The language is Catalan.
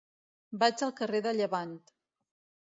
Vaig al carrer de Llevant.